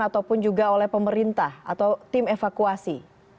ataupun juga oleh pemerintah atau tim evakuasi